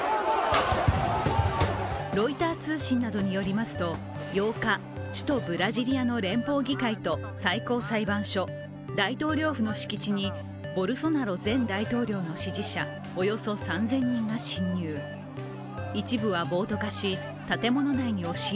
ロイター通信などによりますと８日首都ブラジリアの連邦議会と最高裁判所、大統領府の敷地にボルソナロ前大統領の支持者およそ３０００人が侵入。